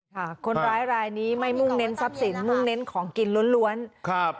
ค่ะคนร้ายรายนี้ไม่มุ่งเน้นทรัพย์สินมุ่งเน้นของกินล้วนล้วนครับ